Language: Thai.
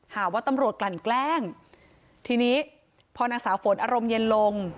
หาว่าตำรวจกลั่นแกล้งทีนี้พอนางสาวฝนอารมณ์เย็นลง